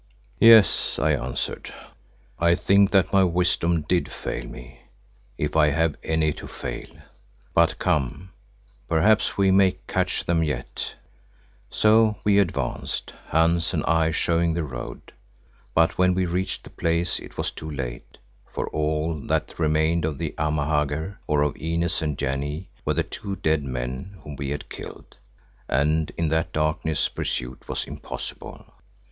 "Yes," I answered, "I think that my wisdom did fail me, if I have any to fail. But come; perhaps we may catch them yet." So we advanced, Hans and I showing the road. But when we reached the place it was too late, for all that remained of the Amahagger, or of Inez and Janee, were the two dead men whom we had killed, and in that darkness pursuit was impossible.